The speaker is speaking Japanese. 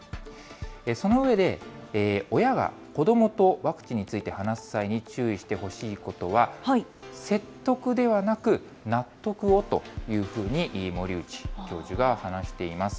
その上で、親が子どもとワクチンについて話す際に注意してほしいことは、説得ではなく、納得をというふうに、森内教授が話しています。